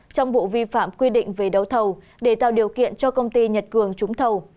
trong vụ vi phạm quy định về đấu thầu để tạo điều kiện cho công ty nhật cường trúng thầu